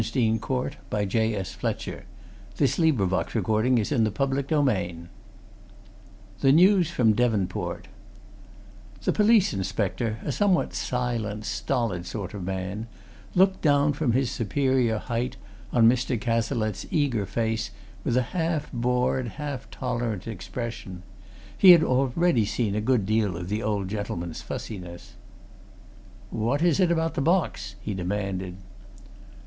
Man! you don't know that an examination of them mightn't be useful." CHAPTER V THE NEWS FROM DEVONPORT The police inspector, a somewhat silent, stolid sort of man, looked down from his superior height on Mr. Cazalette's eager face with a half bored, half tolerant expression; he had already seen a good deal of the old gentleman's fussiness. "What is it about the box?" he demanded.